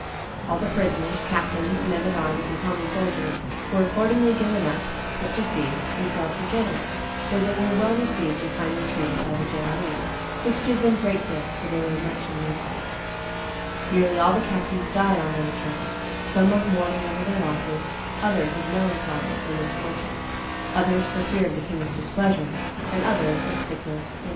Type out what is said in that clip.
All the prisoners, captains, men at arms, and common soldiers were accordingly given up, put to sea, and sailed for Genoa, where they were well received and kindly treated by the Genoese, which did them great good, for they were much in need of it. Nearly all the captains died on their return, some of mourning over their losses, others of melancholy at their misfortune, others for fear of the king's displeasure, and others of sickness and weariness." [Chroniques of John d'Auton, t. iii. pp.